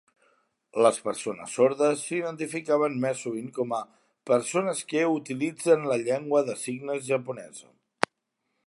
Les "persones sordes" s'identificaven més sovint com a "persones que utilitzen la llengua de signes japonesa".